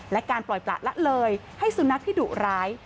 และการปล่อยประละเลยให้สุนัขที่ดุร้าย